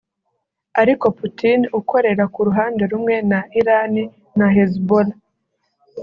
ariko Putin ukorera ku ruhande rumwe na Iran na Hezbollah